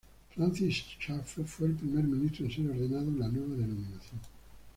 Francis Schaeffer fue el primer ministro en ser ordenado en la nueva denominación.